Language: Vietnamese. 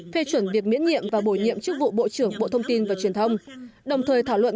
phê chuẩn việc miễn nhiệm và bổ nhiệm chức vụ bộ trưởng bộ thông tin và truyền thông đồng thời thảo luận